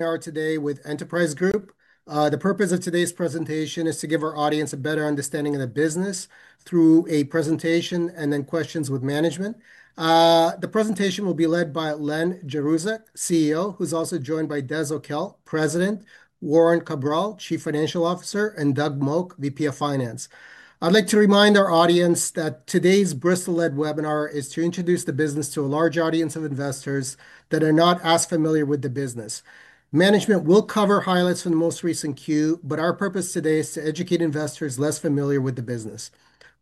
We are today with Enterprise Group. The purpose of today's presentation is to give our audience a better understanding of the business through a presentation and then questions with management. The presentation will be led by Len Jaroszuk, CEO, who's also joined by Des O'Kell, President, Warren Cabral, Chief Financial Officer, and Doug Moak, VP of Finance. I'd like to remind our audience that today's Bristol-led webinar is to introduce the business to a large audience of investors that are not as familiar with the business. Management will cover highlights from the most recent Q, but our purpose today is to educate investors less familiar with the business.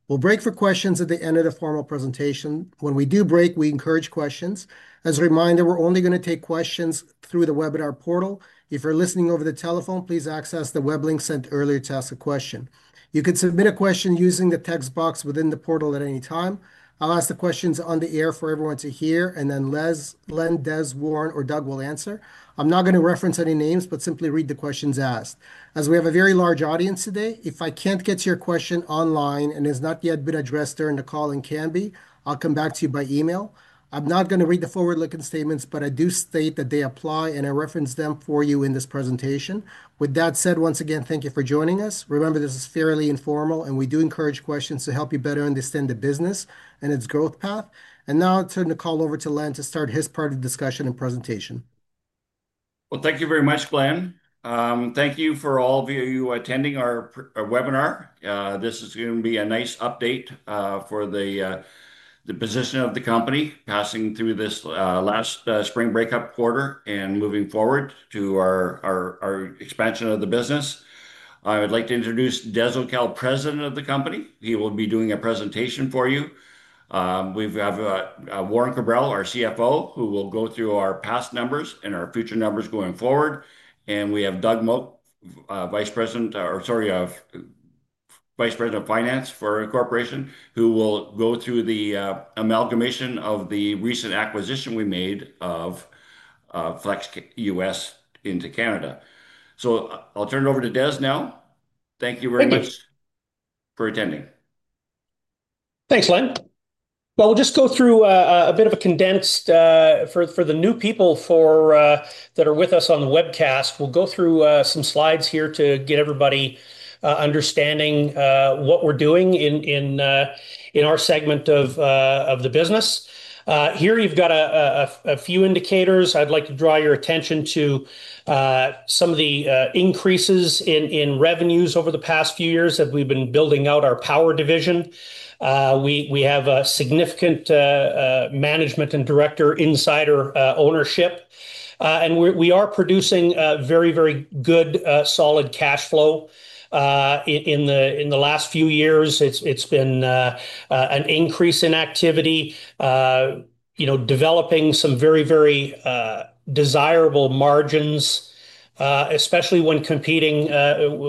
We'll break for questions at the end of the formal presentation. When we do break, we encourage questions. As a reminder, we're only going to take questions through the webinar portal. If you're listening over the telephone, please access the web link sent earlier to ask a question. You can submit a question using the text box within the portal at any time. I'll ask the questions on the air for everyone to hear, and then Len, Des, Warren, or Doug will answer. I'm not going to reference any names, but simply read the questions asked. As we have a very large audience today, if I can't get your question online and it's not yet been addressed during the call and can be, I'll come back to you by email. I'm not going to read the forward-looking statements, but I do state that they apply, and I referenced them for you in this presentation. With that said, once again, thank you for joining us. Remember, this is fairly informal, and we do encourage questions to help you better understand the business and its growth path. Now I'll turn the call over to Len to start his part of the discussion and presentation. Thank you very much, Glenn. Thank you for all of you attending our webinar. This is going to be a nice update for the position of the company passing through this last spring breakup quarter and moving forward to our expansion of the business. I would like to introduce Des O'Kell, President of the company. He will be doing a presentation for you. We have Warren Cabral, our CFO, who will go through our past numbers and our future numbers going forward. We have Doug Moak, Vice President of Finance for our corporation, who will go through the amalgamation of the recent acquisition we made of Flex U.S. into Canada. I'll turn it over to Des now. Thank you very much for attending. Thanks, Len. We'll just go through a bit of a condensed overview for the new people that are with us on the webcast. We'll go through some slides here to get everybody understanding what we're doing in our segment of the business. Here you've got a few indicators. I'd like to draw your attention to some of the increases in revenues over the past few years that we've been building out our power division. We have a significant management and director insider ownership, and we are producing very, very good, solid cash flow. In the last few years, it's been an increase in activity, developing some very, very desirable margins, especially when competing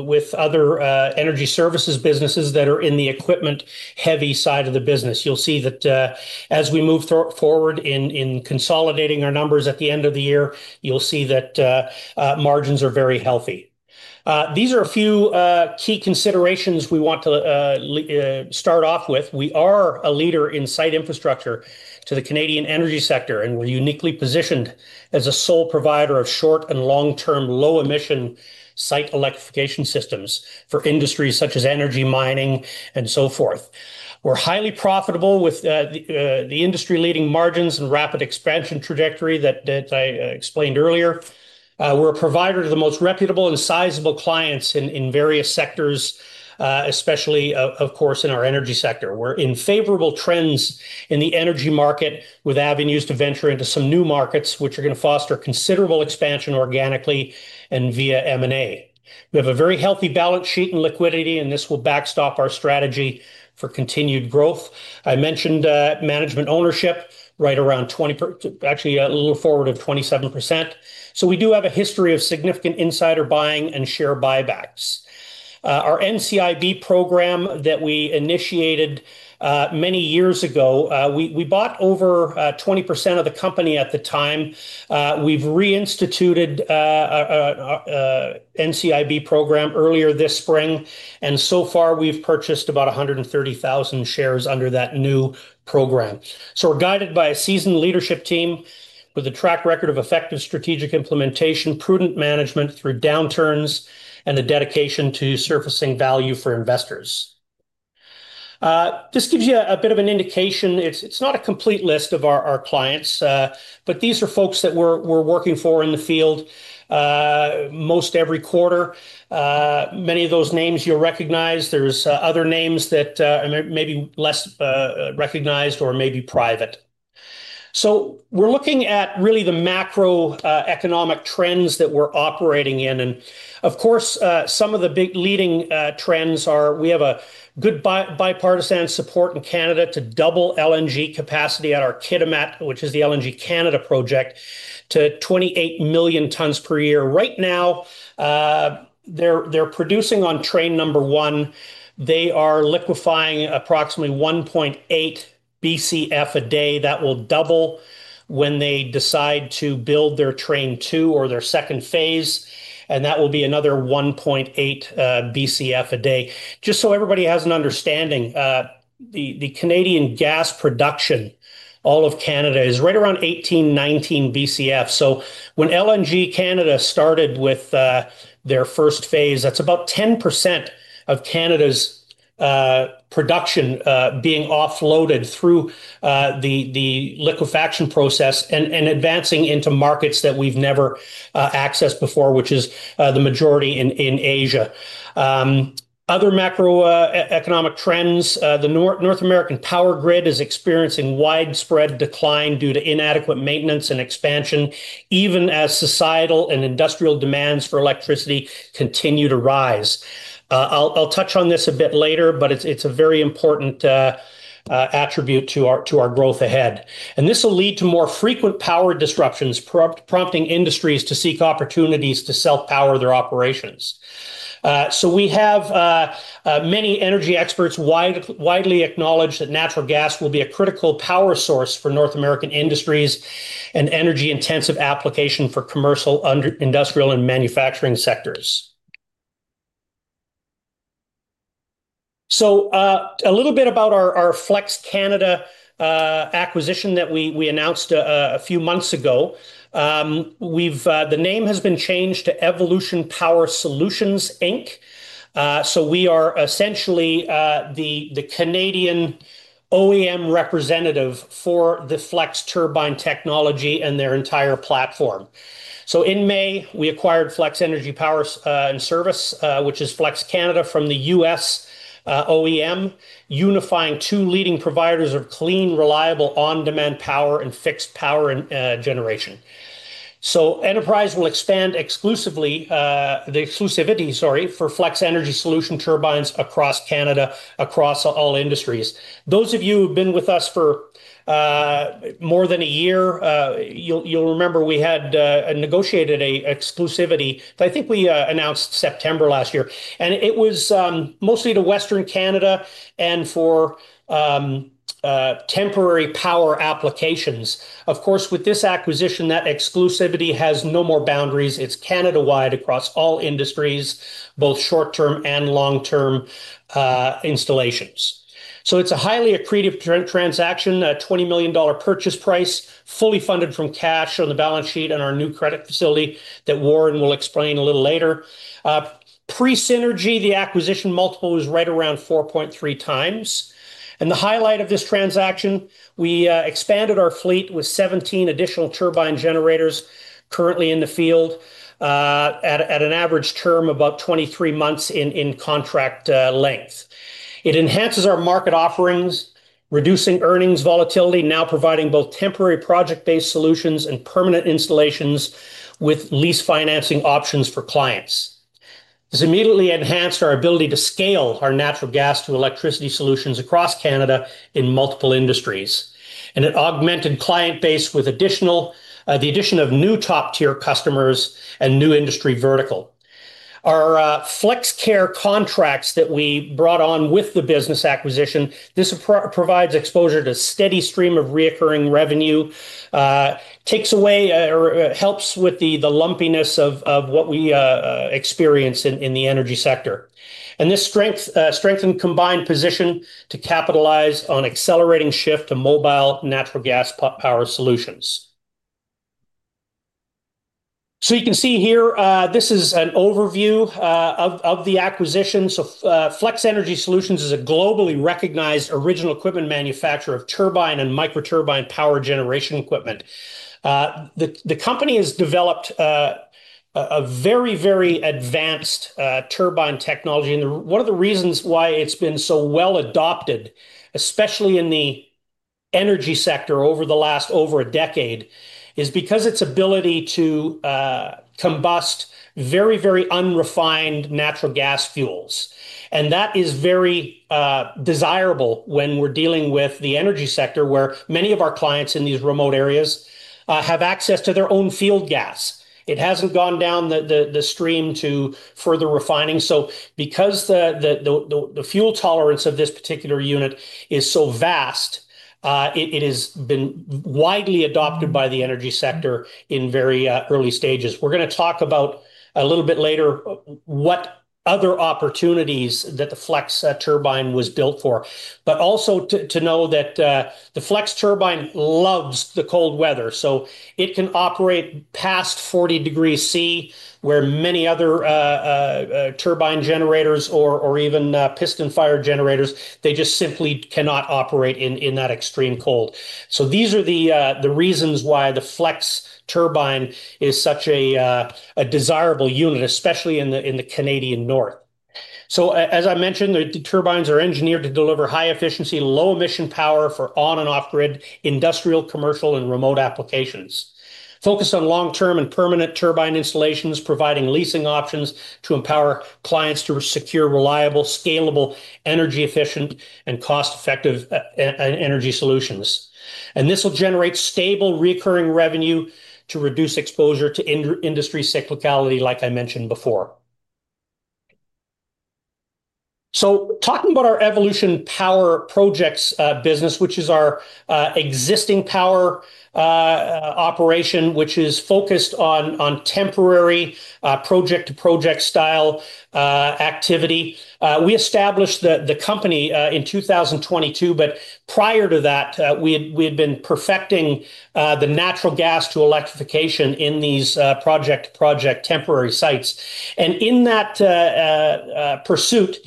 with other energy services businesses that are in the equipment-heavy side of the business. You'll see that as we move forward in consolidating our numbers at the end of the year, you'll see that margins are very healthy. These are a few key considerations we want to start off with. We are a leader in site infrastructure to the Canadian energy sector, and we're uniquely positioned as a sole provider of short and long-term low-emission site electrification systems for industries such as energy, mining, and so forth. We're highly profitable with industry-leading margins and a rapid expansion trajectory that I explained earlier. We're a provider to the most reputable and sizable clients in various sectors, especially, of course, in our energy sector. We're in favorable trends in the energy market with avenues to venture into some new markets, which are going to foster considerable expansion organically and via M&A. We have a very healthy balance sheet and liquidity, and this will backstop our strategy for continued growth. I mentioned management ownership right around 20%, actually a little forward of 27%. We do have a history of significant insider buying and share buybacks. Our NCIB program that we initiated many years ago, we bought over 20% of the company at the time. We've reinstituted a NCIB program earlier this spring, and so far we've purchased about 130,000 shares under that new program. We're guided by a seasoned leadership team with a track record of effective strategic implementation, prudent management through downturns, and a dedication to surfacing value for investors. This gives you a bit of an indication. It's not a complete list of our clients, but these are folks that we're working for in the field most every quarter. Many of those names you'll recognize. There's other names that may be less recognized or may be private. We're looking at really the macroeconomic trends that we're operating in. Of course, some of the big leading trends are we have good bipartisan support in Canada to double LNG capacity at our Kitimat, which is the LNG Canada project, to 28 million tons per year. Right now, they're producing on train number one. They are liquefying approximately 1.8 BCF a day. That will double when they decide to build their train two or their second phase, and that will be another 1.8 BCF a day. Just so everybody has an understanding, the Canadian gas production, all of Canada, is right around 18, 19 BCF. When LNG Canada started with their first phase, that's about 10% of Canada's production being offloaded through the liquefaction process and advancing into markets that we've never accessed before, which is the majority in Asia. Other macroeconomic trends, the North American power grid is experiencing widespread decline due to inadequate maintenance and expansion, even as societal and industrial demands for electricity continue to rise. I'll touch on this a bit later, but it's a very important attribute to our growth ahead. This will lead to more frequent power disruptions, prompting industries to seek opportunities to self-power their operations. Many energy experts widely acknowledge that natural gas will be a critical power source for North American industries and energy-intensive application for commercial, industrial, and manufacturing sectors. A little bit about our Flex Canada acquisition that we announced a few months ago. The name has been changed to Evolution Power Solutions, Inc. We are essentially the Canadian OEM representative for the Flex turbine technology and their entire platform. In May, we acquired FlexEnergy Power and Service, which is Flex Canada, from the U.S. OEM, unifying two leading providers of clean, reliable on-demand power and fixed power and generation. Enterprise will expand exclusively the exclusivity for FlexEnergy Solution turbines across Canada, across all industries. Those of you who've been with us for more than a year, you'll remember we had negotiated an exclusivity, I think we announced September last year. It was mostly to Western Canada and for temporary power applications. Of course, with this acquisition, that exclusivity has no more boundaries. It's Canada-wide across all industries, both short-term and long-term installations. It's a highly accretive transaction, a $20 million purchase price, fully funded from cash on the balance sheet and our new credit facility that Warren will explain a little later. Pre-synergy, the acquisition multiple was right around 4.3x. The highlight of this transaction, we expanded our fleet with 17 additional turbine generators currently in the field, at an average term about 23 months in contract length. It enhances our market offerings, reducing earnings volatility, now providing both temporary project-based solutions and permanent installations with lease financing options for clients. This immediately enhanced our ability to scale our natural gas to electricity solutions across Canada in multiple industries. It augmented client base with the addition of new top-tier customers and new industry vertical. Our FlexCare contracts that we brought on with the business acquisition provide exposure to a steady stream of recurring revenue, takes away or helps with the lumpiness of what we experience in the energy sector. This strengthened combined position to capitalize on accelerating shift to mobile natural gas power solutions. You can see here, this is an overview of the acquisition. FlexEnergy Solutions is a globally recognized original equipment manufacturer of turbine and microturbine power generation equipment. The company has developed a very, very advanced turbine technology. One of the reasons why it's been so well adopted, especially in the energy sector over the last over a decade, is because of its ability to combust very, very unrefined natural gas fuels. That is very desirable when we're dealing with the energy sector where many of our clients in these remote areas have access to their own field gas. It hasn't gone down the stream to further refining. Because the fuel tolerance of this particular unit is so vast, it has been widely adopted by the energy sector in very early stages. We're going to talk about a little bit later what other opportunities that the Flex turbine was built for. Also, to know that the Flex turbine loves the cold weather. It can operate past -40 degrees C where many other turbine generators or even piston-fired generators just simply cannot operate in that extreme cold. These are the reasons why the Flex turbine is such a desirable unit, especially in the Canadian North. As I mentioned, the turbines are engineered to deliver high-efficiency, low-emission power for on-and-off grid, industrial, commercial, and remote applications. Focused on long-term and permanent turbine installations, providing leasing options to empower clients to secure reliable, scalable, energy-efficient, and cost-effective energy solutions. This will generate stable recurring revenue to reduce exposure to industry cyclicality, like I mentioned before. Talking about our Evolution Power Projects business, which is our existing power operation focused on temporary, project-to-project style activity. We established the company in 2022, but prior to that, we had been perfecting the natural gas to electrification in these project-to-project temporary sites. In that pursuit,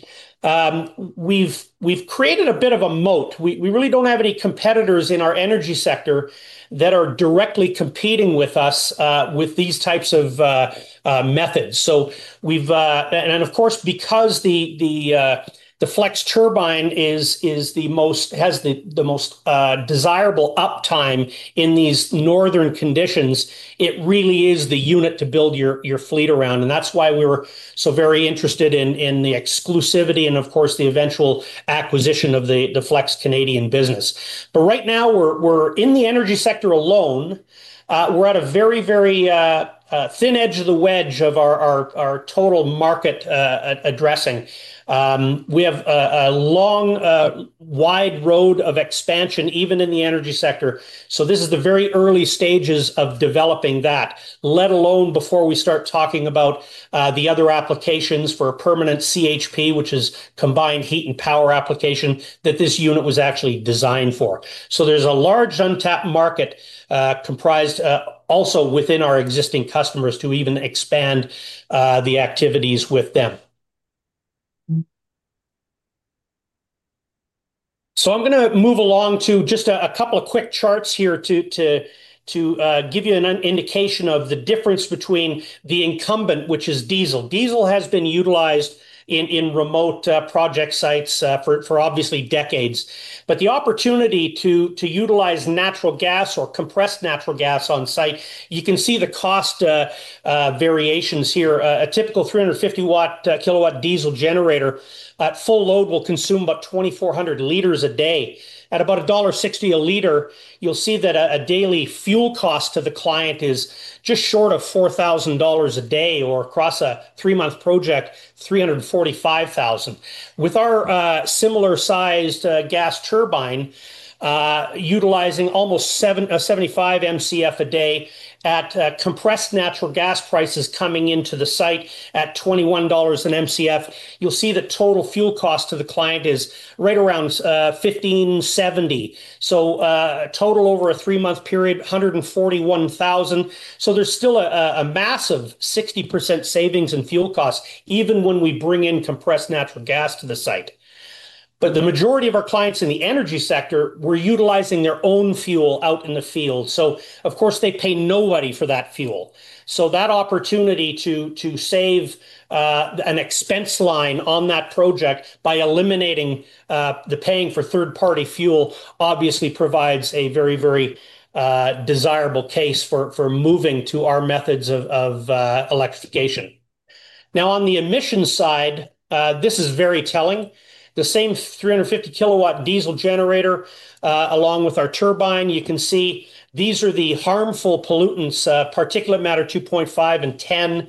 we've created a bit of a moat. We really don't have any competitors in our energy sector that are directly competing with us with these types of methods. Of course, because the Flex turbine has the most desirable uptime in these northern conditions, it really is the unit to build your fleet around. That's why we were so very interested in the exclusivity and, of course, the eventual acquisition of the Flex Canadian business. Right now, we're in the energy sector alone. We're at a very thin edge of the wedge of our total market addressing. We have a long, wide road of expansion, even in the energy sector. This is the very early stages of developing that, let alone before we start talking about the other applications for a permanent CHP, which is combined heat and power application that this unit was actually designed for. There's a large untapped market, comprised also within our existing customers to even expand the activities with them. I'm going to move along to just a couple of quick charts here to give you an indication of the difference between the incumbent, which is diesel. Diesel has been utilized in remote project sites for obviously decades. The opportunity to utilize natural gas or compressed natural gas on site, you can see the cost variations here. A typical 350 kW diesel generator at full load will consume about 2,400 L a day. At about $1.60 a liter, you'll see that a daily fuel cost to the client is just short of $4,000 a day, or across a three-month project, $345,000. With our similar sized gas turbine, utilizing almost 75 MCF a day, at compressed natural gas prices coming into the site at $21 an MCF, you'll see the total fuel cost to the client is right around $1,570. Total over a three-month period, $141,000. There's still a massive 60% savings in fuel costs, even when we bring in compressed natural gas to the site. The majority of our clients in the energy sector were utilizing their own fuel out in the field. Of course, they pay nobody for that fuel. That opportunity to save an expense line on that project by eliminating the paying for third-party fuel obviously provides a very, very desirable case for moving to our methods of electrification. Now, on the emissions side, this is very telling. The same 350 kW diesel generator, along with our turbine, you can see these are the harmful pollutants: particulate matter 2.5 and 10,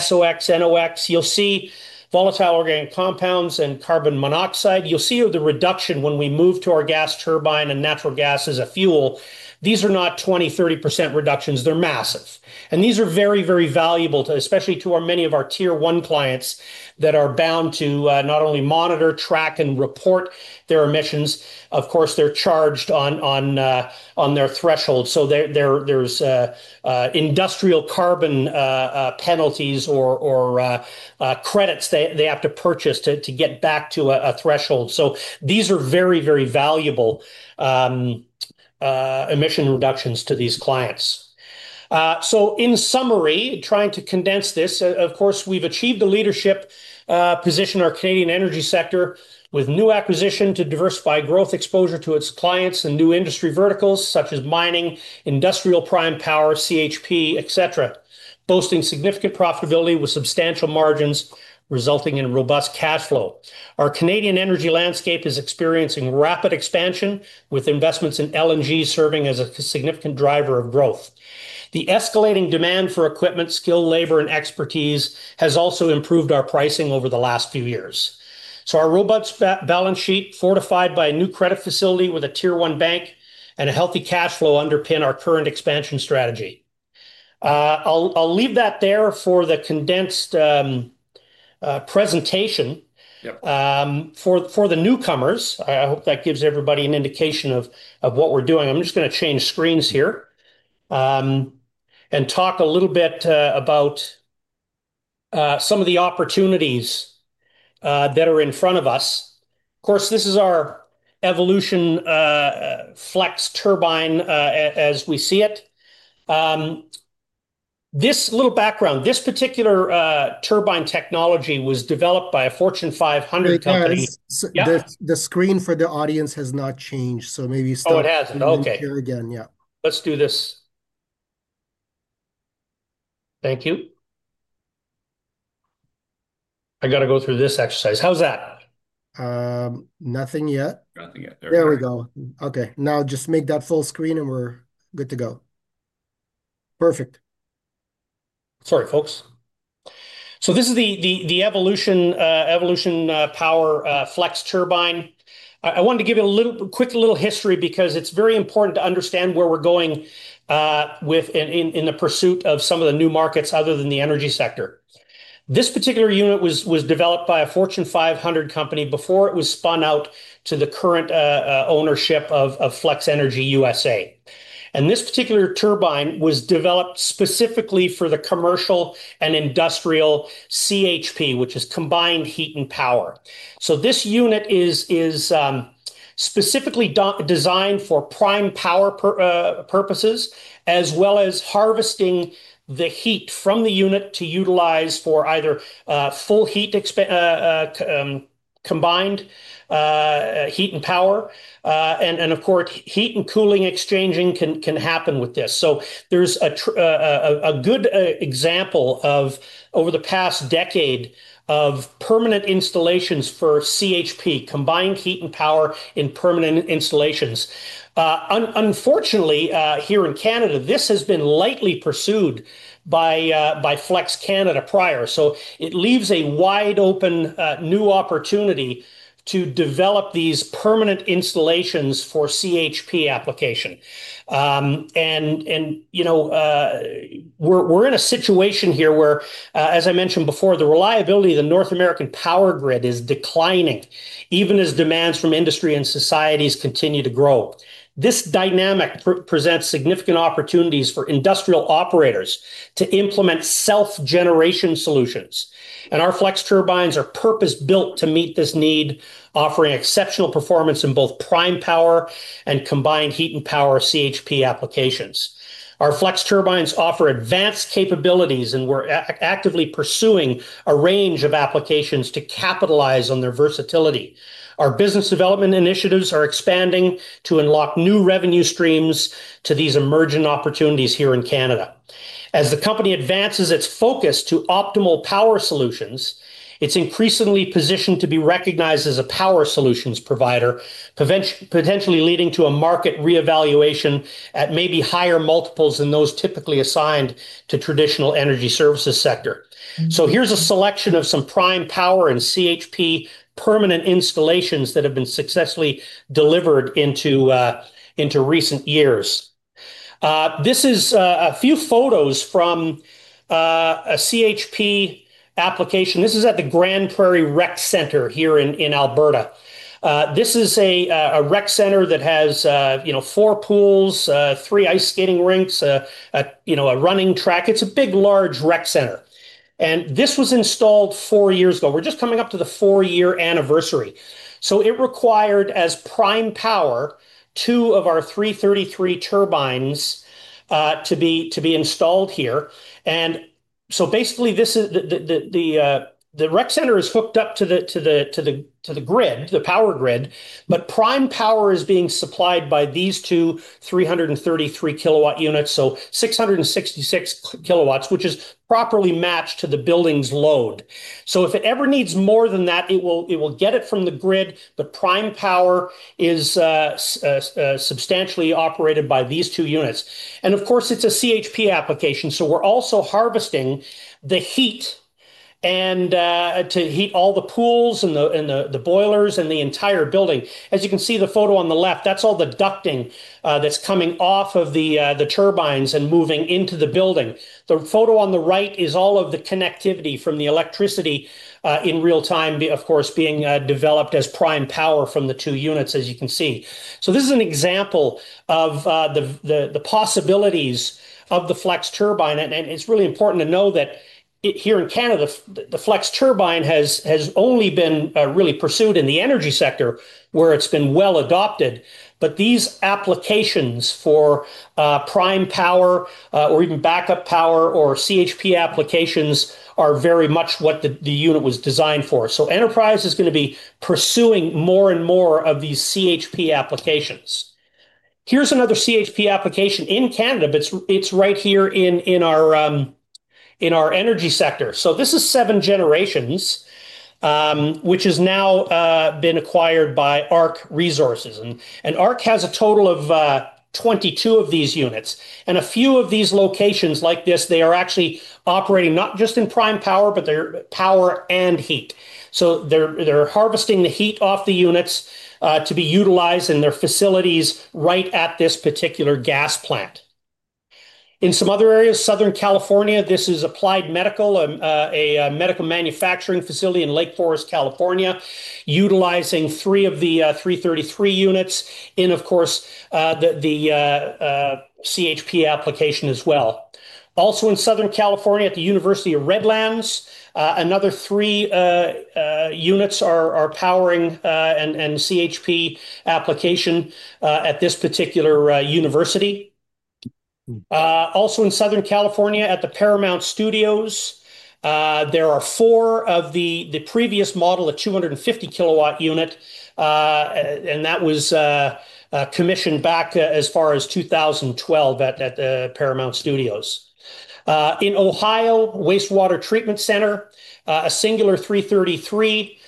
SOx, NOx. You'll see volatile organic compounds and carbon monoxide. You'll see the reduction when we move to our gas turbine and natural gas as a fuel. These are not 20%, 30% reductions. They're massive. These are very, very valuable to especially many of our tier-one clients that are bound to not only monitor, track, and report their emissions. Of course, they're charged on their threshold. There are industrial carbon penalties or credits they have to purchase to get back to a threshold. These are very, very valuable emission reductions to these clients. In summary, trying to condense this, of course, we've achieved the leadership position in our Canadian energy sector with new acquisition to diversify growth exposure to its clients and new industry verticals such as mining, industrial prime power, CHP, et cetera, boasting significant profitability with substantial margins resulting in robust cash flow. Our Canadian energy landscape is experiencing rapid expansion with investments in LNG serving as a significant driver of growth. The escalating demand for equipment, skilled labor, and expertise has also improved our pricing over the last few years. Our robust balance sheet, fortified by a new credit facility with a tier-one bank and a healthy cash flow, underpin our current expansion strategy. I'll leave that there for the condensed presentation. For the newcomers, I hope that gives everybody an indication of what we're doing. I'm just going to change screens here and talk a little bit about some of the opportunities that are in front of us. Of course, this is our Evolution Flex turbine as we see it. This little background, this particular turbine technology was developed by a Fortune 500 company. The screen for the audience has not changed. Maybe it's still. Oh, it hasn't. Okay. Let's do this. Thank you. I have to go through this exercise. How's that? Nothing yet. Nothing yet. There we go. Okay. Now just make that full screen and we're good to go. Perfect. Sorry, folks. This is the Evolution Power Flex turbine. I wanted to give you a quick little history because it's very important to understand where we're going in the pursuit of some of the new markets other than the energy sector. This particular unit was developed by a Fortune 500 company before it was spun out to the current ownership of FlexEnergy U.S.A. This particular turbine was developed specifically for the commercial and industrial CHP, which is combined heat and power. This unit is specifically designed for prime power purposes, as well as harvesting the heat from the unit to utilize for either full heat, combined heat and power. Of course, heat and cooling exchanging can happen with this. There's a good example of, over the past decade, permanent installations for CHP, combined heat and power in permanent installations. Unfortunately, here in Canada, this has been lightly pursued by Flex Canada prior. It leaves a wide open new opportunity to develop these permanent installations for CHP application. We're in a situation here where, as I mentioned before, the reliability of the North American power grid is declining, even as demands from industry and societies continue to grow. This dynamic presents significant opportunities for industrial operators to implement self-generation solutions. Our Flex turbine solutions are purpose-built to meet this need, offering exceptional performance in both prime power and combined heat and power CHP applications. Our Flex turbines offer advanced capabilities, and we're actively pursuing a range of applications to capitalize on their versatility. Our business development initiatives are expanding to unlock new revenue streams to these emerging opportunities here in Canada. As the company advances its focus to optimal power solutions, it's increasingly positioned to be recognized as a power solutions provider, potentially leading to a market reevaluation at maybe higher multiples than those typically assigned to the traditional energy services sector. Here's a selection of some prime power and CHP permanent installations that have been successfully delivered in recent years. This is a few photos from a CHP application. This is at the Grand Prairie Rec Center here in Alberta. This is a rec center that has four pools, three ice skating rinks, a running track. It's a big, large rec center. This was installed four years ago. We're just coming up to the four-year anniversary. It required, as prime power, two of our 333 turbines to be installed here. Basically, the rec center is hooked up to the grid, the power grid, but prime power is being supplied by these two 333 kW units, so 666 kW, which is properly matched to the building's load. If it ever needs more than that, it will get it from the grid. The prime power is substantially operated by these two units. Of course, it's a CHP application. We're also harvesting the heat to heat all the pools and the boilers and the entire building. As you can see in the photo on the left, that's all the ducting that's coming off of the turbines and moving into the building. The photo on the right is all of the connectivity from the electricity, in real time, being developed as prime power from the two units, as you can see. This is an example of the possibilities of the Flex turbine. It's really important to know that here in Canada, the Flex turbine has only been really pursued in the energy sector where it's been well adopted. These applications for prime power, or even backup power or CHP applications, are very much what the unit was designed for. Enterprise is going to be pursuing more and more of these CHP applications. Here's another CHP application in Canada, but it's right here in our energy sector. This is Seven Generations, which has now been acquired by ARC Resources. ARC has a total of 22 of these units. At a few of these locations like this, they are actually operating not just in prime power, but they're power and heat. They're harvesting the heat off the units to be utilized in their facilities right at this particular gas plant. In some other areas, Southern California, this is Applied Medical, a medical manufacturing facility in Lake Forest, California, utilizing three of the 333 units in, of course, the CHP application as well. Also in Southern California, at the University of Redlands, another three units are powering a CHP application at this particular university. Also in Southern California, at the Paramount Studios, there are four of the previous model, a 250 kW unit, and that was commissioned back as far as 2012 at the Paramount Studios. In Ohio, Wastewater Treatment Center, a singular 333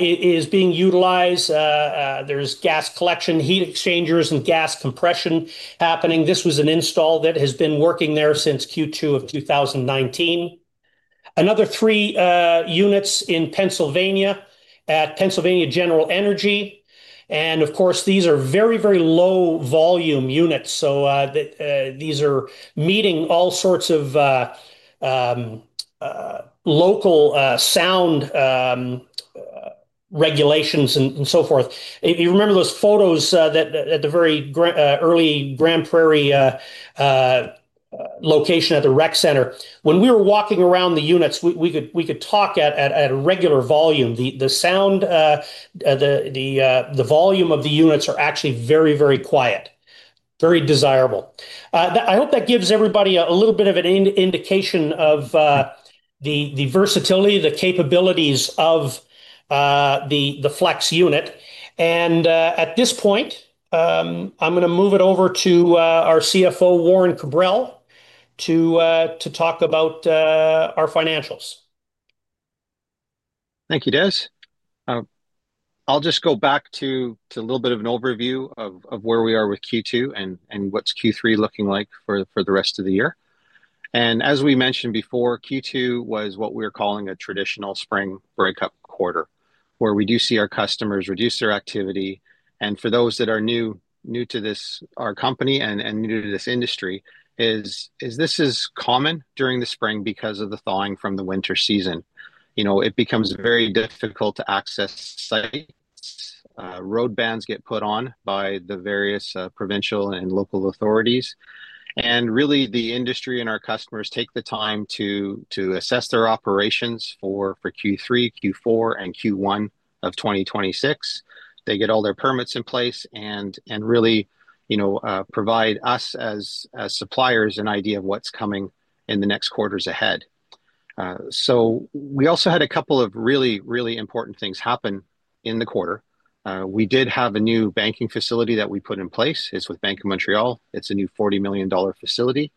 is being utilized. There's gas collection, heat exchangers, and gas compression happening. This was an install that has been working there since Q2 of 2019. Another three units in Pennsylvania at Pennsylvania General Energy. These are very, very low volume units, so these are meeting all sorts of local sound regulations and so forth. You remember those photos, the very early Grand Prairie location at the rec center. When we were walking around the units, we could talk at a regular volume. The sound, the volume of the units are actually very, very quiet, very desirable. I hope that gives everybody a little bit of an indication of the versatility, the capabilities of the Flex unit. At this point, I'm going to move it over to our CFO, Warren Cabral, to talk about our financials. Thank you, Des. I'll just go back to a little bit of an overview of where we are with Q2 and what's Q3 looking like for the rest of the year. As we mentioned before, Q2 was what we were calling a traditional spring breakup quarter, where we do see our customers reduce their activity. For those that are new to this, our company and new to this industry, this is common during the spring because of the thawing from the winter season. It becomes very difficult to access sites. Road bans get put on by the various provincial and local authorities. The industry and our customers take the time to assess their operations for Q3, Q4, and Q1 of 2026. They get all their permits in place and provide us as suppliers an idea of what's coming in the next quarters ahead. We also had a couple of really important things happen in the quarter. We did have a new banking facility that we put in place. It's with Bank of Montreal. It's a new $40 million facility.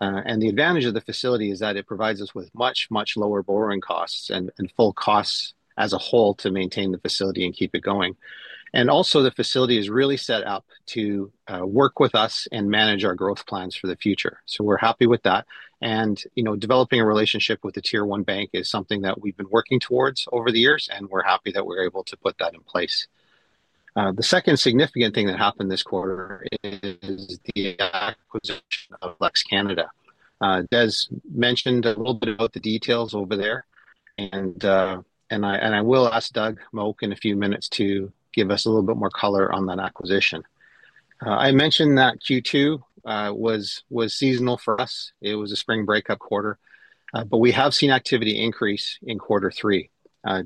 The advantage of the facility is that it provides us with much lower borrowing costs and full costs as a whole to maintain the facility and keep it going. The facility is really set up to work with us and manage our growth plans for the future. We're happy with that. Developing a relationship with the tier-one bank is something that we've been working towards over the years, and we're happy that we're able to put that in place. The second significant thing that happened this quarter is the acquisition of Flex Canada. Des mentioned a little bit about the details over there, and I will ask Doug Moak in a few minutes to give us a little bit more color on that acquisition. I mentioned that Q2 was seasonal for us. It was a spring breakup quarter, but we have seen activity increase in quarter three.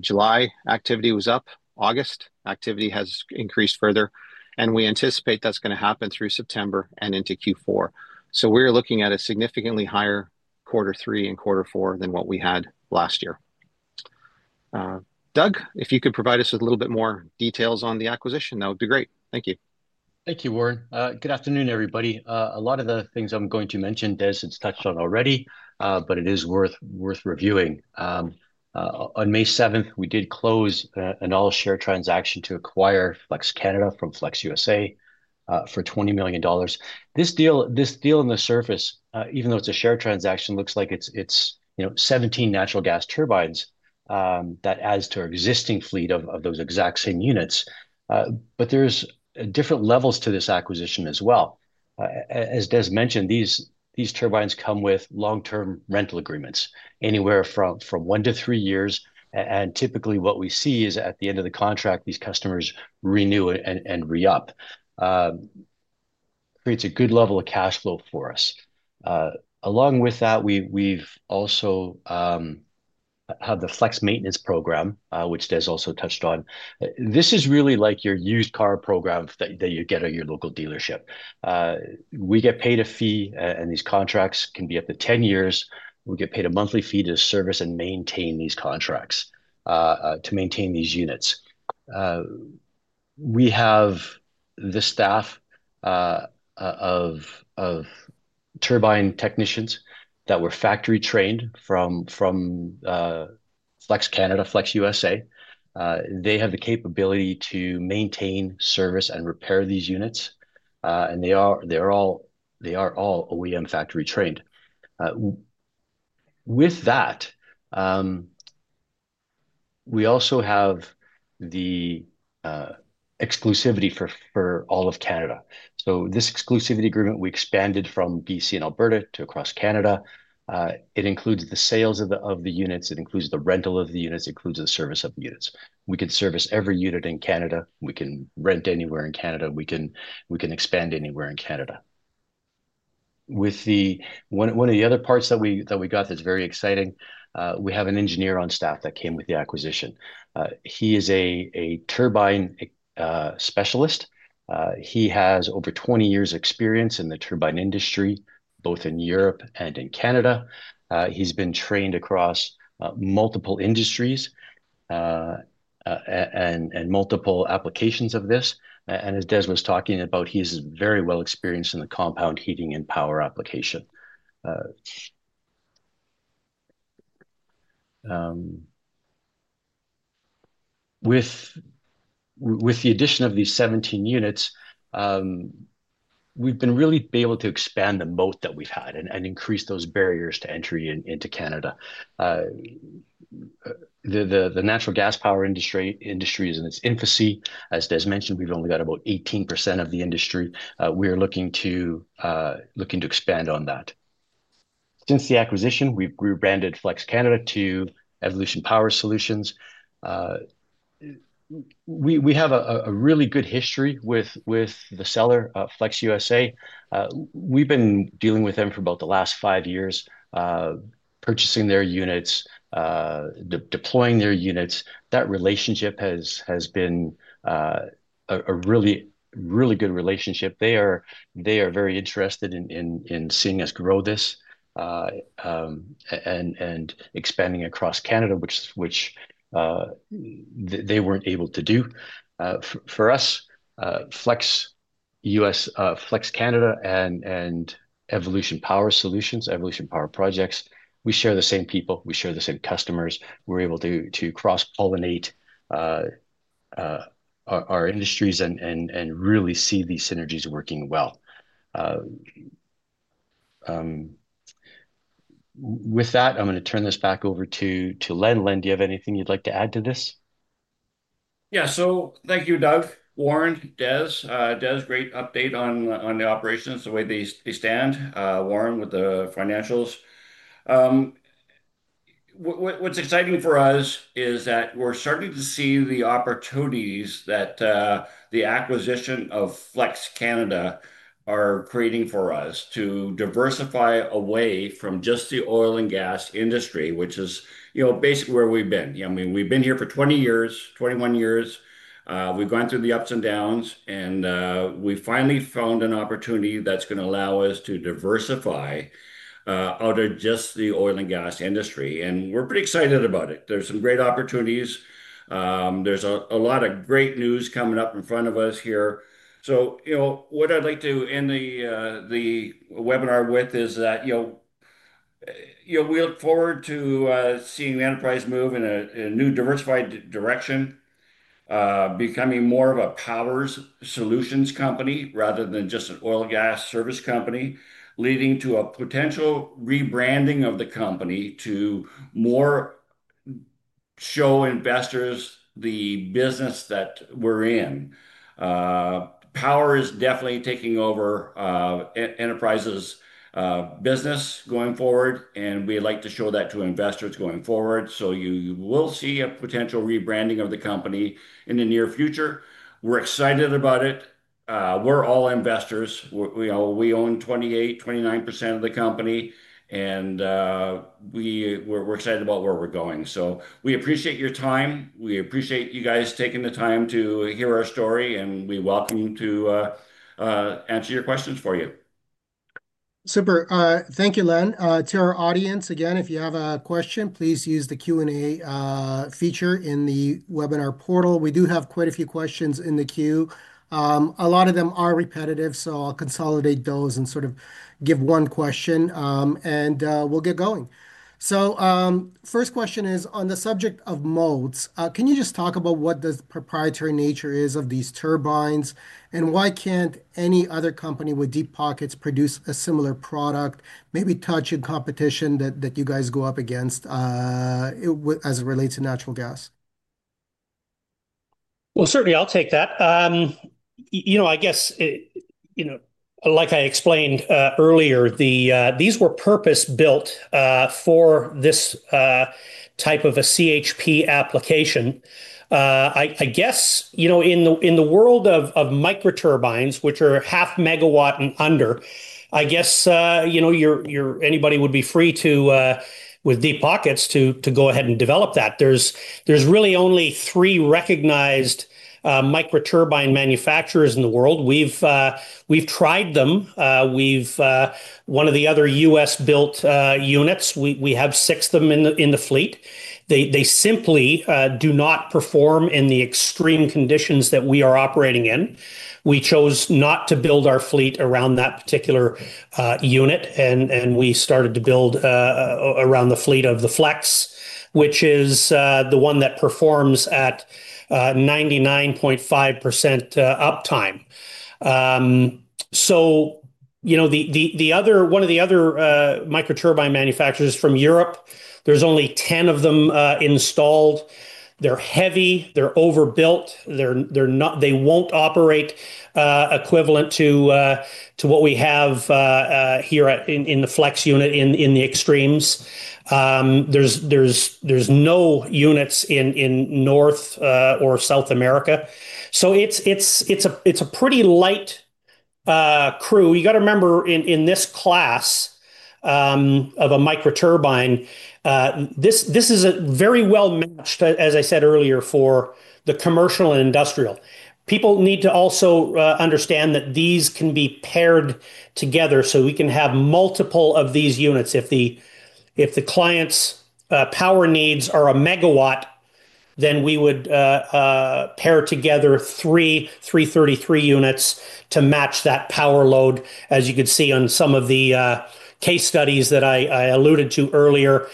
July activity was up. August activity has increased further, and we anticipate that's going to happen through September and into Q4. We're looking at a significantly higher quarter three and quarter four than what we had last year. Doug, if you could provide us with a little bit more details on the acquisition, that would be great. Thank you. Thank you, Warren. Good afternoon, everybody. A lot of the things I'm going to mention, Des, it's touched on already, but it is worth reviewing. On May 7th, we did close an all-share transaction to acquire Flex Canada from Flex U.S.A. for $20 million. This deal, even though it's a share transaction, looks like it's 17 natural gas turbines that add to our existing fleet of those exact same units. There's different levels to this acquisition as well. As Des mentioned, these turbines come with long-term rental agreements, anywhere from one to three years. Typically, what we see is at the end of the contract, these customers renew and re-up. It creates a good level of cash flow for us. Along with that, we also have the Flex maintenance program, which Des also touched on. This is really like your used car program that you get at your local dealership. We get paid a fee, and these contracts can be up to 10 years. We get paid a monthly fee to service and maintain these contracts, to maintain these units. We have the staff of turbine technicians that were factory-trained from Flex Canada, Flex U.S.A. They have the capability to maintain, service, and repair these units, and they are all OEM factory-trained. With that, we also have the exclusivity for all of Canada. This exclusivity agreement was expanded from B.C. and Alberta to across Canada. It includes the sales of the units, the rental of the units, and the service of the units. We can service every unit in Canada. We can rent anywhere in Canada. We can expand anywhere in Canada. One of the other parts that we got that's very exciting is we have an engineer on staff that came with the acquisition. He is a turbine specialist. He has over 20 years of experience in the turbine industry, both in Europe and in Canada. He's been trained across multiple industries and multiple applications of this. As Des was talking about, he's very well experienced in the combined heat and power application. With the addition of these 17 units, we've been really able to expand the moat that we've had and increase those barriers to entry into Canada. The natural gas power industry is in its infancy. As Des mentioned, we've only got about 18% of the industry. We are looking to expand on that. Since the acquisition, we've rebranded Flex Canada to Evolution Power Solutions. We have a really good history with the seller, Flex U.S.A. We've been dealing with them for about the last five years, purchasing their units, deploying their units. That relationship has been a really, really good relationship. They are very interested in seeing us grow this and expanding across Canada, which they weren't able to do. For us, Flex U.S., Flex Canada, and Evolution Power Solutions, Evolution Power Projects, we share the same people. We share the same customers. We're able to cross-pollinate our industries and really see these synergies working well. With that, I'm going to turn this back over to Len. Len, do you have anything you'd like to add to this? Thank you, Doug, Warren, Des. Des, great update on the operations, the way they stand. Warren with the financials. What's exciting for us is that we're starting to see the opportunities that the acquisition Flex Canada are creating for us to diversify away from just the oil and gas industry, which is basically where we've been. We've been here for 20 years, 21 years. We've gone through the ups and downs, and we finally found an opportunity that's going to allow us to diversify out of just the oil and gas industry. We're pretty excited about it. There are some great opportunities. There's a lot of great news coming up in front of us here. What I'd like to end the webinar with is that we look forward to seeing Enterprise move in a new diversified direction, becoming more of a power solutions company rather than just an oil and gas service company, leading to a potential rebranding of the company to more show investors the business that we're in. Power is definitely taking over Enterprise's business going forward, and we like to show that to investors going forward. You will see a potential rebranding of the company in the near future. We're excited about it. We're all investors. We own 28%, 29% of the company, and we're excited about where we're going. We appreciate your time. We appreciate you guys taking the time to hear our story, and we welcome you to answer your questions for you. Super. Thank you, Len. To our audience, again, if you have a question, please use the Q&A feature in the webinar portal. We do have quite a few questions in the queue. A lot of them are repetitive, so I'll consolidate those and sort of give one question, and we'll get going. First question is on the subject of moats. Can you just talk about what the proprietary nature is of these turbines and why can't any other company with deep pockets produce a similar product, maybe touching competition that you guys go up against as it relates to natural gas? Certainly, I'll take that. Like I explained earlier, these were purpose-built for this type of a CHP application. In the world of microturbines, which are 0.5 MW and under, anybody would be free to, with deep pockets, go ahead and develop that. There's really only three recognized microturbine manufacturers in the world. We've tried them. One of the other U.S.-built units, we have six of them in the fleet. They simply do not perform in the extreme conditions that we are operating in. We chose not to build our fleet around that particular unit, and we started to build around the fleet of the Flex, which is the one that performs at 99.5% uptime. The other microturbine manufacturer is from Europe. There's only 10 of them installed. They're heavy, they're overbuilt, they're not, they won't operate equivalent to what we have here in the Flex unit in the extremes. There's no units in North or South America. It's a pretty light crew. You have to remember in this class of a microturbine, this is very well matched, as I said earlier, for the commercial and industrial. People need to also understand that these can be paired together. We can have multiple of these units. If the client's power needs are 1 MW, then we would pair together three 333 units to match that power load. As you could see on some of the case studies that I alluded to earlier,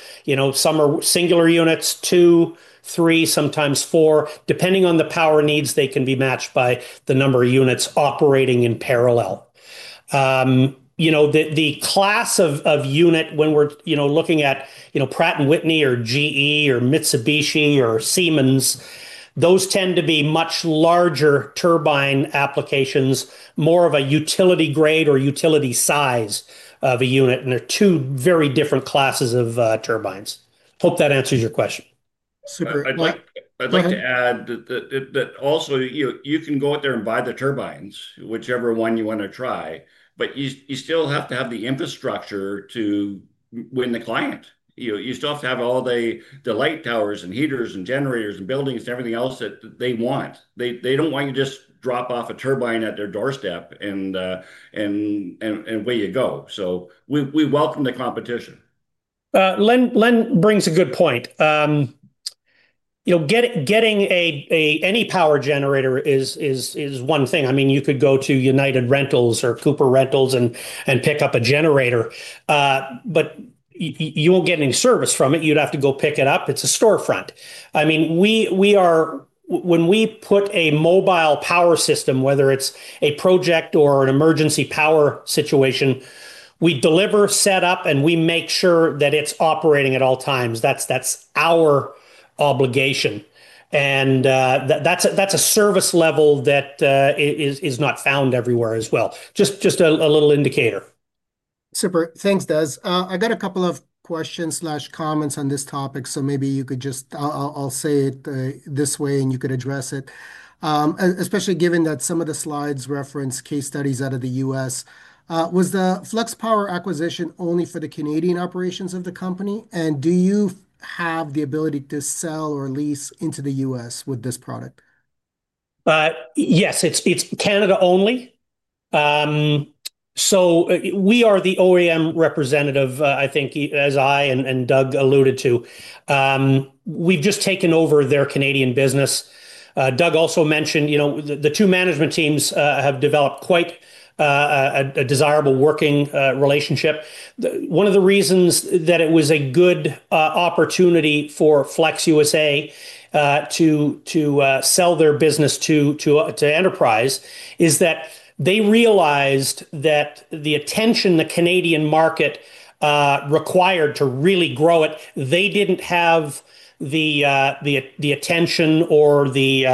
some are singular units, two, three, sometimes four, depending on the power needs. They can be matched by the number of units operating in parallel. The class of unit, when we're looking at Pratt & Whitney or GE or Mitsubishi or Siemens, those tend to be much larger turbine applications, more of a utility grade or utility size of a unit. There are two very different classes of turbines. Hope that answers your question. Super. I'd like to add that, also, you know, you can go out there and buy the turbines, whichever one you want to try, but you still have to have the infrastructure to win the client. You still have to have all the light towers and heaters and generators and buildings and everything else that they want. They don't want you to just drop off a turbine at their doorstep and away you go. We welcome the competition. Len brings a good point. You know, getting any power generator is one thing. I mean, you could go to United Rentals or Cooper Rentals and pick up a generator, but you won't get any service from it. You'd have to go pick it up. It's a storefront. I mean, we are, when we put a mobile power system, whether it's a project or an emergency power situation, we deliver, set up, and we make sure that it's operating at all times. That's our obligation. That's a service level that is not found everywhere as well. Just a little indicator. Super. Thanks, Des. I got a couple of questions/comments on this topic. Maybe you could just, I'll say it this way and you could address it. Especially given that some of the slides reference case studies out of the U.S. Was the Flex Power acquisition only for the Canadian operations of the company? Do you have the ability to sell or lease into the U.S. with this product? Yes, it's Canada only. We are the OEM representative, as I and Doug alluded to. We've just taken over their Canadian business. Doug also mentioned the two management teams have developed quite a desirable working relationship. One of the reasons that it was a good opportunity for Flex U.S.A. to sell their business to Enterprise is that they realized the attention the Canadian market required to really grow it. They didn't have the attention or the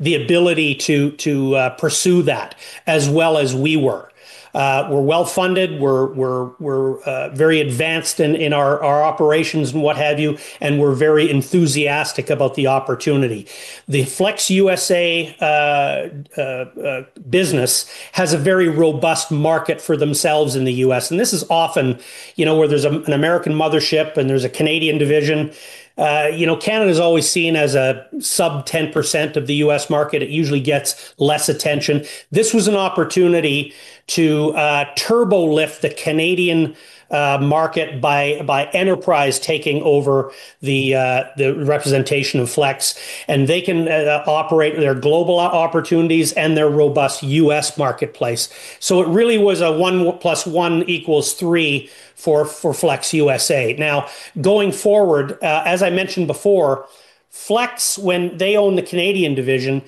ability to pursue that as well as we were. We're well funded. We're very advanced in our operations and what have you, and we're very enthusiastic about the opportunity. The Flex U.S.A. business has a very robust market for themselves in the U.S. This is often where there's an American mothership and there's a Canadian division. Canada is always seen as a sub 10% of the U.S. market. It usually gets less attention. This was an opportunity to turbo-lift the Canadian market by Enterprise taking over the representation of Flex. They can operate in their global opportunities and their robust U.S. marketplace. It really was a 1 + 1 = 3 for Flex U.S.A. Now, going forward, as I mentioned before, Flex, when they owned the Canadian division,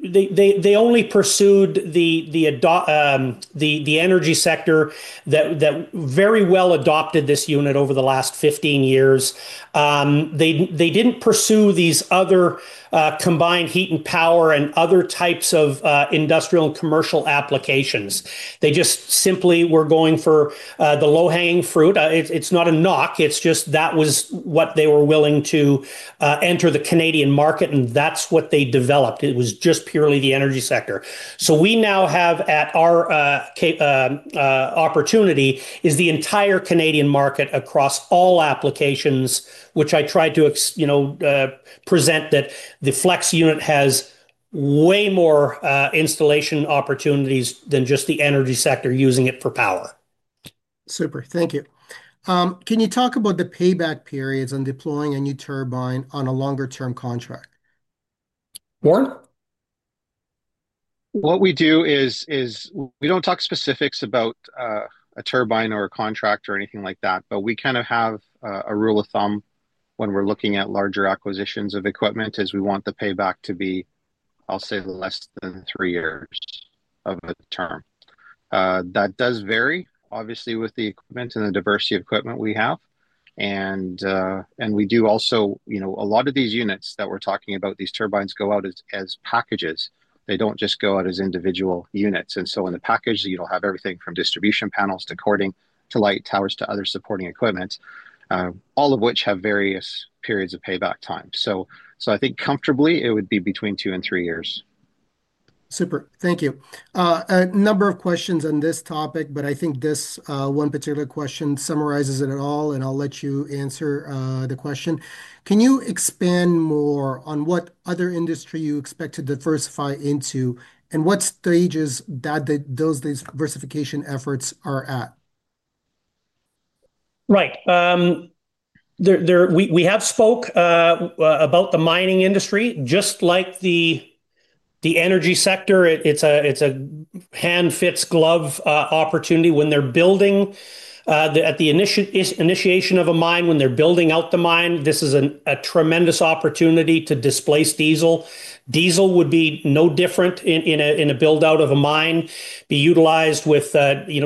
they only pursued the energy sector that very well adopted this unit over the last 15 years. They didn't pursue these other combined heat and power and other types of industrial and commercial applications. They just simply were going for the low-hanging fruit. It's not a knock. It's just that was what they were willing to enter the Canadian market with, and that's what they developed. It was just purely the energy sector. We now have at our opportunity the entire Canadian market across all applications, which I tried to present, that the Flex unit has way more installation opportunities than just the energy sector using it for power. Super. Thank you. Can you talk about the payback periods on deploying a new turbine on a longer-term contract? What we do is, we don't talk specifics about a turbine or a contract or anything like that, but we kind of have a rule of thumb when we're looking at larger acquisitions of equipment. We want the payback to be, I'll say, less than three years of the term. That does vary, obviously, with the equipment and the diversity of equipment we have. We do also, you know, a lot of these units that we're talking about, these turbines go out as packages. They don't just go out as individual units. In the package, you'll have everything from distribution panels to cording to light towers to other supporting equipment, all of which have various periods of payback time. I think comfortably it would be between two and three years. Super. Thank you. I have a number of questions on this topic, but I think this one particular question summarizes it all, and I'll let you answer the question. Can you expand more on what other industry you expect to diversify into and what stages that those diversification efforts are at? Right. We have spoke about the mining industry, just like the energy sector. It's a hand-fits-glove opportunity when they're building at the initiation of a mine, when they're building out the mine. This is a tremendous opportunity to displace diesel. Diesel would be no different in a build-out of a mine, be utilized with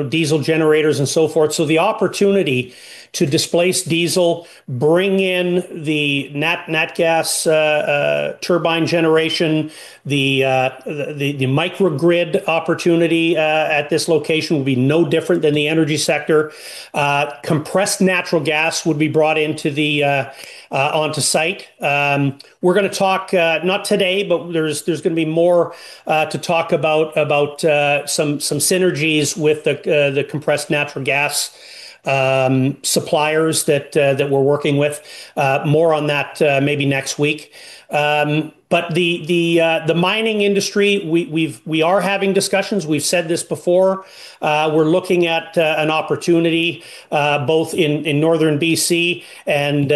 diesel generators and so forth. The opportunity to displace diesel, bring in the nat gas turbine generation, the microgrid opportunity at this location will be no different than the energy sector. Compressed natural gas would be brought onto site. We're going to talk, not today, but there's going to be more to talk about, some synergies with the compressed natural gas suppliers that we're working with. More on that, maybe next week. The mining industry, we are having discussions. We've said this before. We're looking at an opportunity, both in Northern B.C. and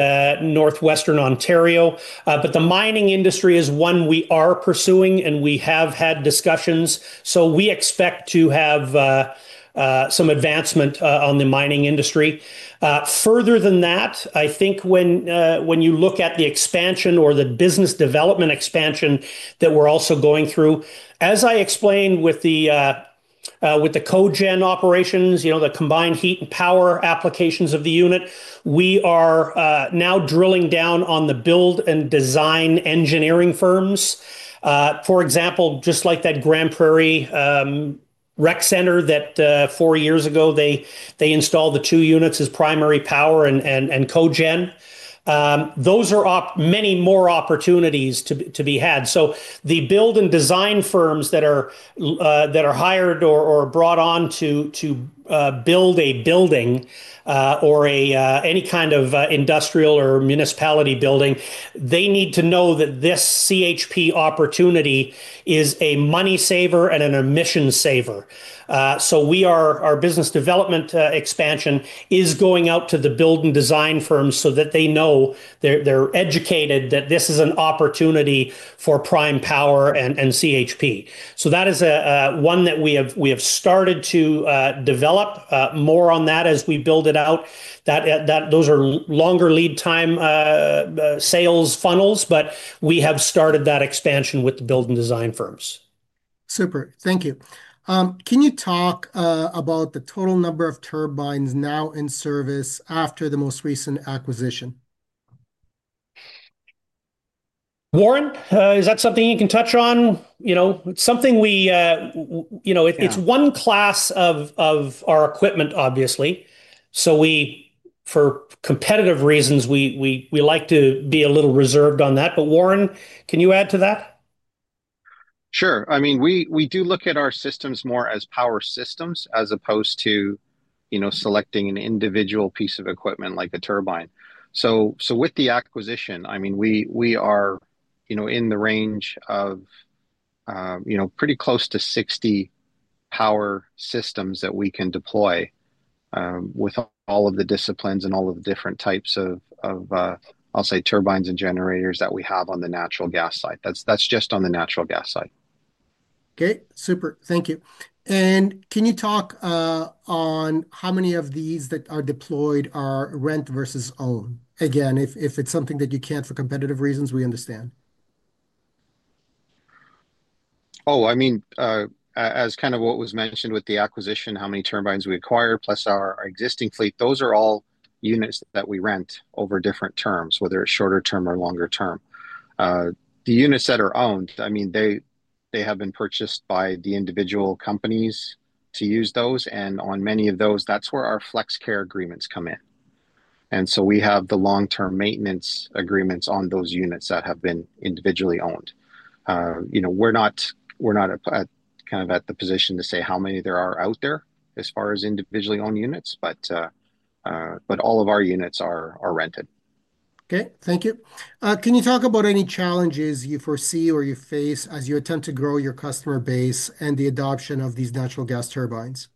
Northwestern Ontario. The mining industry is one we are pursuing, and we have had discussions. We expect to have some advancement on the mining industry. Further than that, I think when you look at the expansion or the business development expansion that we're also going through, as I explained with the code gen operations, the combined heat and power applications of the unit, we are now drilling down on the build and design engineering firms. For example, just like that Grand Prairie Rec Center that four years ago, they installed the two units as primary power and code gen. Those are many more opportunities to be had. The build and design firms that are hired or brought on to build a building, or any kind of industrial or municipality building, need to know that this CHP opportunity is a money saver and an emission saver. Our business development expansion is going out to the build and design firms so that they know, they're educated that this is an opportunity for prime power and CHP. That is one that we have started to develop, more on that as we build it out. Those are longer lead time sales funnels, but we have started that expansion with the build and design firms. Super. Thank you. Can you talk about the total number of turbines now in service after the most recent acquisition? Warren, is that something you can touch on? It's something we, you know, it's one class of our equipment, obviously. For competitive reasons, we like to be a little reserved on that. Warren, can you add to that? Sure. We do look at our systems more as power systems as opposed to selecting an individual piece of equipment like a turbine. With the acquisition, we are in the range of pretty close to 60 power systems that we can deploy, with all of the disciplines and all of the different types of, I'll say, turbines and generators that we have on the natural gas side. That's just on the natural gas side. Super. Thank you. Can you talk on how many of these that are deployed are rent versus own? If it's something that you can't for competitive reasons, we understand. Oh, I mean, as kind of what was mentioned with the acquisition, how many turbines we acquire plus our existing fleet, those are all units that we rent over different terms, whether it's shorter term or longer term. The units that are owned, I mean, they have been purchased by the individual companies to use those. On many of those, that's where our FlexCare agreements come in, and we have the long-term maintenance agreements on those units that have been individually owned. We're not at the position to say how many there are out there as far as individually owned units, but all of our units are rented. Okay. Thank you. Can you talk about any challenges you foresee or you face as you attempt to grow your customer base and the adoption of these natural gas turbines?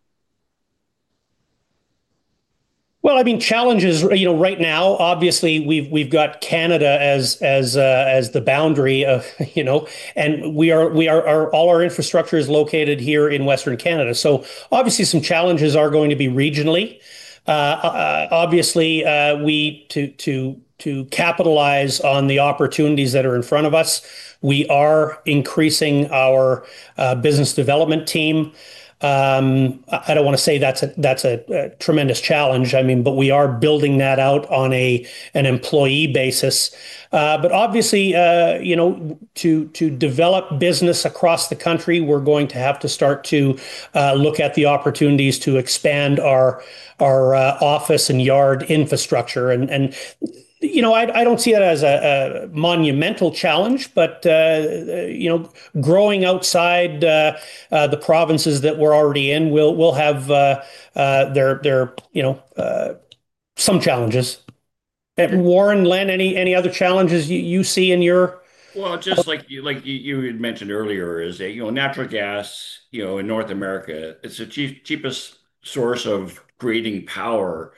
Challenges right now, obviously, we've got Canada as the boundary, and all our infrastructure is located here in Western Canada. Obviously, some challenges are going to be regionally. To capitalize on the opportunities that are in front of us, we are increasing our business development team. I don't want to say that's a tremendous challenge, but we are building that out on an employee basis. Obviously, to develop business across the country, we're going to have to start to look at the opportunities to expand our office and yard infrastructure. I don't see it as a monumental challenge, but growing outside the provinces that we're already in will have their challenges. Warren, Len, any other challenges you see in your? As you mentioned earlier, natural gas in North America is the cheapest source of creating power,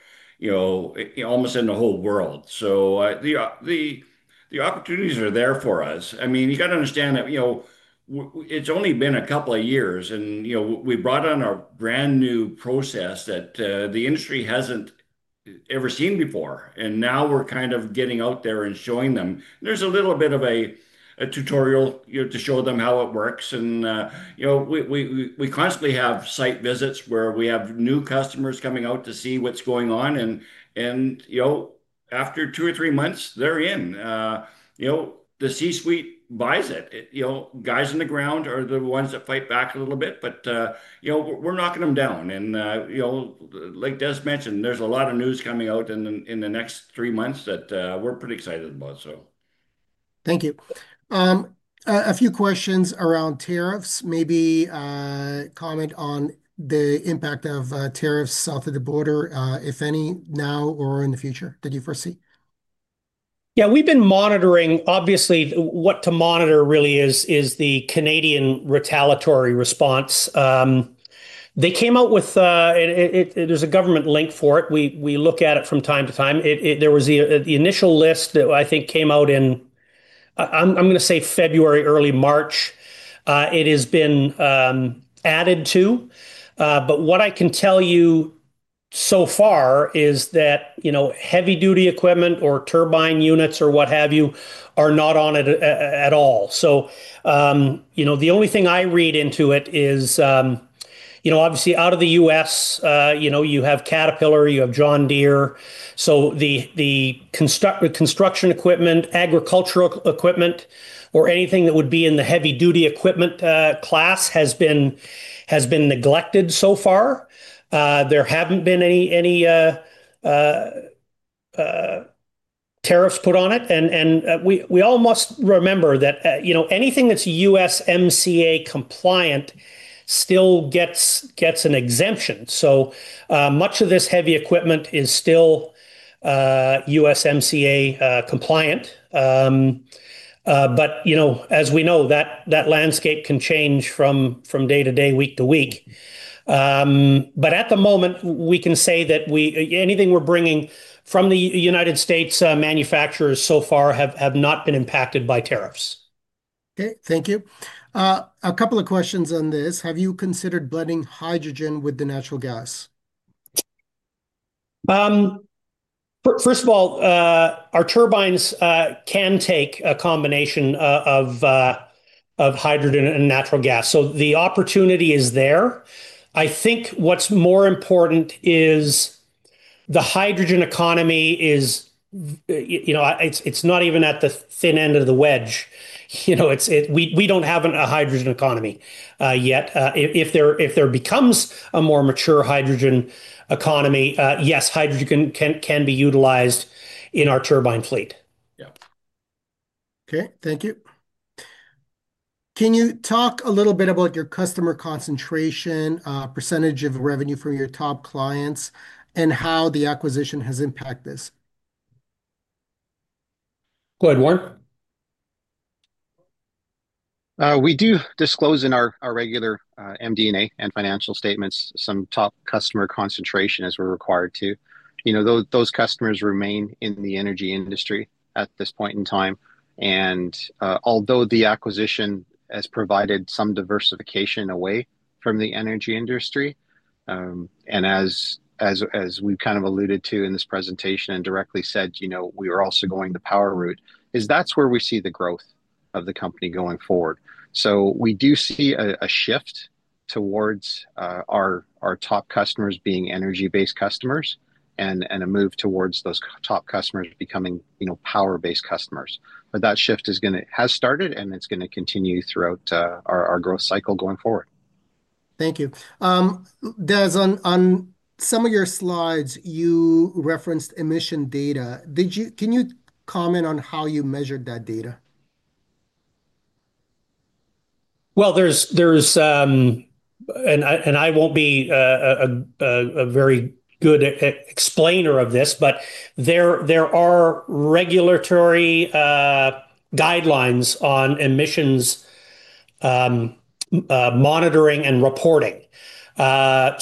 almost in the whole world. The opportunities are there for us. You have to understand that it's only been a couple of years, and we brought on a brand new process that the industry hasn't ever seen before. Now we're getting out there and showing them. There's a little bit of a tutorial to show them how it works. We constantly have site visits where we have new customers coming out to see what's going on. After two or three months, they're in. The C-suite buys it. Guys on the ground are the ones that fight back a little bit, but we're knocking them down. Like Des mentioned, there's a lot of news coming out in the next three months that we're pretty excited about. Thank you. A few questions around tariffs. Maybe comment on the impact of tariffs south of the border, if any now or in the future that you foresee. Yeah, we've been monitoring, obviously, what to monitor really is the Canadian retaliatory response. They came out with it, and there's a government link for it. We look at it from time to time. There was the initial list that I think came out in, I'm going to say February, early March. It has been added to. What I can tell you so far is that heavy-duty equipment or turbine units or what have you are not on it at all. The only thing I read into it is, obviously out of the U.S., you have Caterpillar, you have John Deere. The construction equipment, agricultural equipment, or anything that would be in the heavy-duty equipment class has been neglected so far. There haven't been any tariffs put on it. We all must remember that anything that's USMCA compliant still gets an exemption. Much of this heavy equipment is still USMCA compliant. As we know, that landscape can change from day to day, week to week. At the moment, we can say that anything we're bringing from the United States, manufacturers so far have not been impacted by tariffs. Okay. Thank you. A couple of questions on this. Have you considered blending hydrogen with the natural gas? First of all, our turbines can take a combination of hydrogen and natural gas. The opportunity is there. I think what's more important is the hydrogen economy is, you know, it's not even at the thin end of the wedge. We don't have a hydrogen economy yet. If there becomes a more mature hydrogen economy, yes, hydrogen can be utilized in our turbine fleet. Yeah. Okay. Thank you. Can you talk a little bit about your customer concentration, % of revenue from your top clients, and how the acquisition has impacted this? Go ahead, Warren. We do disclose in our regular MD&A and financial statements some top customer concentration as we're required to. Those customers remain in the energy industry at this point in time. Although the acquisition has provided some diversification away from the energy industry, as we kind of alluded to in this presentation and directly said, we are also going the power route, as that's where we see the growth of the company going forward. We do see a shift towards our top customers being energy-based customers and a move towards those top customers becoming power-based customers. That shift has started, and it's going to continue throughout our growth cycle going forward. Thank you. Des, on some of your slides, you referenced emission data. Did you, can you comment on how you measured that data? I won't be a very good explainer of this, but there are regulatory guidelines on emissions monitoring and reporting. The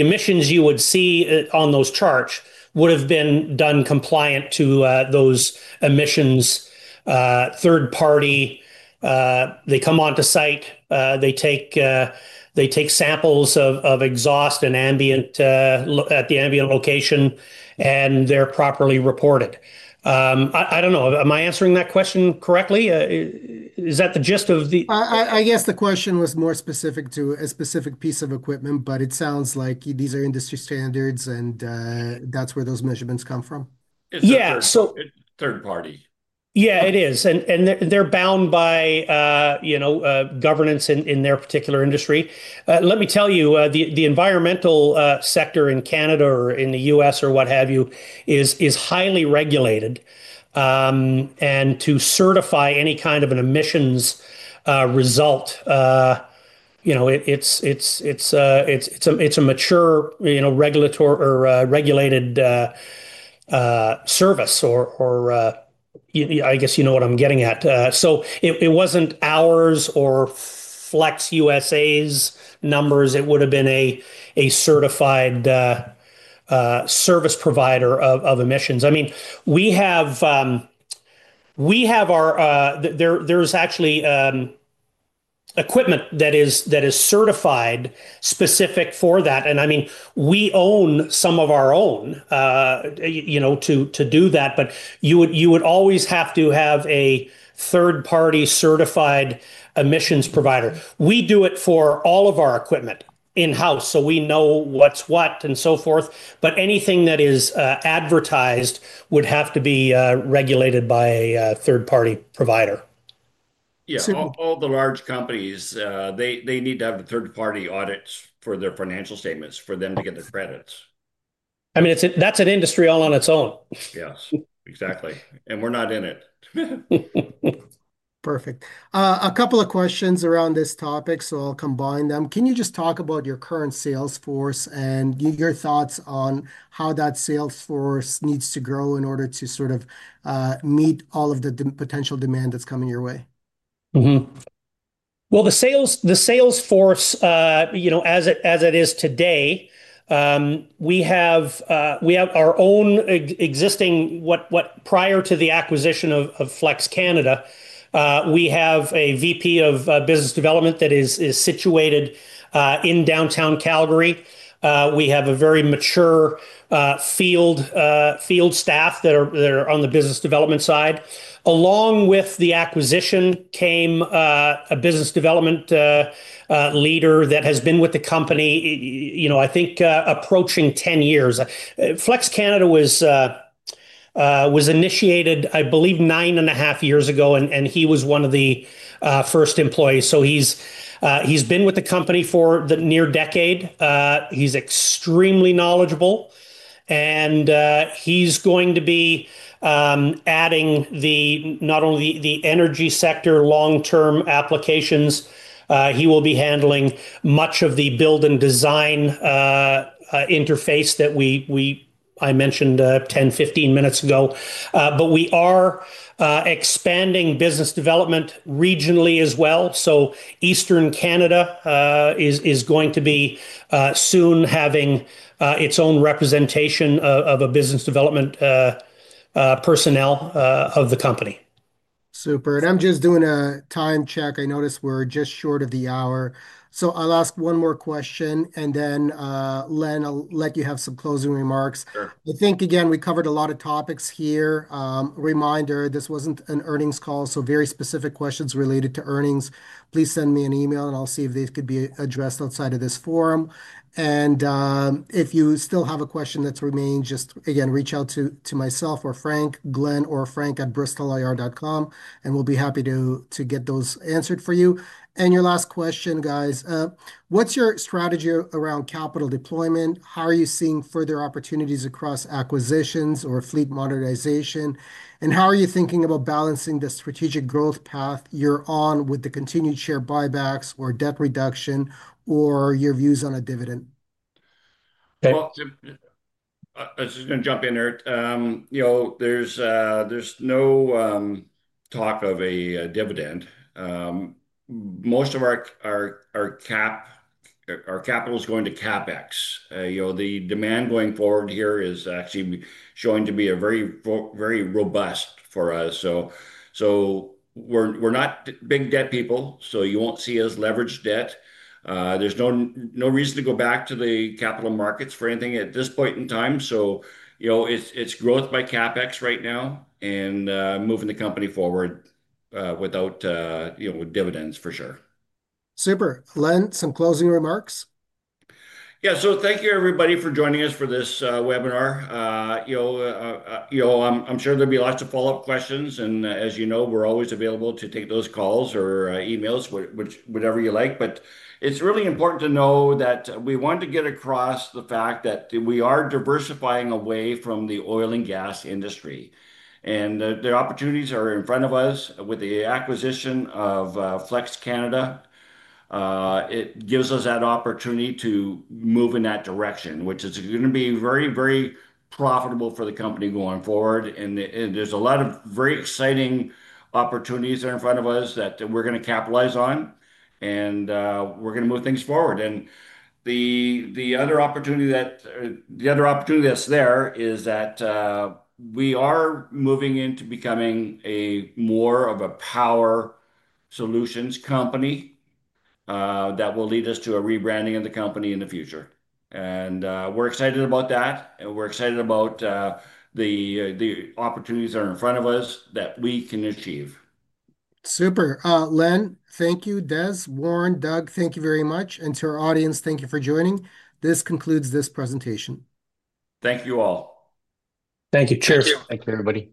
emissions you would see on those charts would have been done compliant to those emissions, third party. They come onto site, they take samples of exhaust and ambient at the ambient location, and they're properly reported. I don't know. Am I answering that question correctly? Is that the gist of the? I guess the question was more specific to a specific piece of equipment, but it sounds like these are industry standards, and that's where those measurements come from. Yeah. So. Third party. Yeah, it is. They're bound by governance in their particular industry. Let me tell you, the environmental sector in Canada or in the U.S. or what have you is highly regulated. To certify any kind of an emissions result, it's a mature regulatory or regulated service, or I guess you know what I'm getting at. It wasn't ours or Flex U.S.A.'s numbers. It would have been a certified service provider of emissions. We have our, there's actually equipment that is certified specific for that. We own some of our own to do that. You would always have to have a third-party certified emissions provider. We do it for all of our equipment in-house, so we know what's what and so forth. Anything that is advertised would have to be regulated by a third-party provider. All the large companies, they need to have a third-party audit for their financial statements for them to get the credits. I mean, that's an industry all on its own. Yes, exactly. We're not in it. Perfect. A couple of questions around this topic, so I'll combine them. Can you just talk about your current sales force and your thoughts on how that sales force needs to grow in order to sort of meet all of the potential demand that's coming your way? The sales force, you know, as it is today, we have our own existing, what, what prior to the acquisition of Flex Canada, we have a VP of Business Development that is situated in downtown Calgary. We have a very mature field staff that are on the business development side. Along with the acquisition came a business development leader that has been with the company, you know, I think, approaching 10 years. Flex Canada was initiated, I believe, nine and a half years ago, and he was one of the first employees. So he's been with the company for the near decade. He's extremely knowledgeable, and he's going to be adding not only the energy sector long-term applications. He will be handling much of the build and design interface that we, I mentioned, 10, 15 minutes ago. We are expanding business development regionally as well. Eastern Canada is going to be soon having its own representation of business development personnel of the company. Super. I'm just doing a time check. I noticed we're just short of the hour. I'll ask one more question, and then, Len, I'll let you have some closing remarks. I think, again, we covered a lot of topics here. Reminder, this wasn't an earnings call, so very specific questions related to earnings, please send me an email and I'll see if this could be addressed outside of this forum. If you still have a question that's remaining, just again, reach out to myself or Frank, Glenn, or Frank@BristolIR.com, and we'll be happy to get those answered for you. Your last question, guys, what's your strategy around capital deployment? How are you seeing further opportunities across acquisitions or fleet modernization? How are you thinking about balancing the strategic growth path you're on with the continued share buybacks or debt reduction or your views on a dividend? I was just going to jump in there. You know, there's no talk of a dividend. Most of our capital is going to CapEx. You know, the demand going forward here is actually showing to be very, very robust for us. We're not big debt people, so you won't see us leverage debt. There's no reason to go back to the capital markets for anything at this point in time. It's growth by CapEx right now and moving the company forward, without, you know, with dividends for sure. Super. Leonard, some closing remarks? Thank you, everybody, for joining us for this webinar. I'm sure there'll be lots of follow-up questions, and as you know, we're always available to take those calls or emails, whichever you like. It's really important to know that we want to get across the fact that we are diversifying away from the oil and gas industry. The opportunities are in front of us with the acquisition of Flex Canada. It gives us that opportunity to move in that direction, which is going to be very, very profitable for the company going forward. There's a lot of very exciting opportunities that are in front of us that we're going to capitalize on. We're going to move things forward. The other opportunity that's there is that we are moving into becoming more of a power solutions company, which will lead us to a rebranding of the company in the future. We're excited about that, and we're excited about the opportunities that are in front of us that we can achieve. Super. Len, thank you. Des, Warren, Doug, thank you very much. To our audience, thank you for joining. This concludes this presentation. Thank you all. Thank you. Cheers. Thank you, everybody.